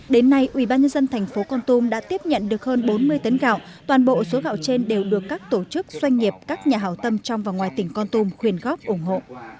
đến nay ubnd tp con tum đã tiếp nhận được hơn bốn mươi tấn gạo toàn bộ số gạo trên đều được các tổ chức doanh nghiệp các nhà hảo tâm trong và ngoài tỉnh con tum khuyên góp ủng hộ